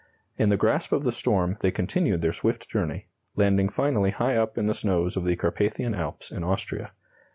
In the grasp of the storm they continued their swift journey, landing finally high up in the snows of the Carpathian Alps in Austria.